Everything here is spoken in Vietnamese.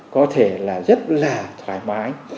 có thể là rất là thoải mái